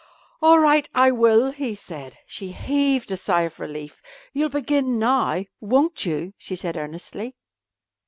"All right, I will," he said. She heaved a sigh of relief. "You'll begin now, won't you?" she said earnestly.